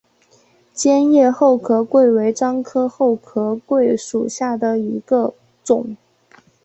尖叶厚壳桂为樟科厚壳桂属下的一个种。